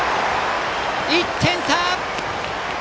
１点差！